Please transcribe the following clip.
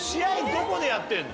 どこでやってんの？